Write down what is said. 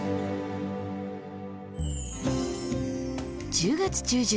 １０月中旬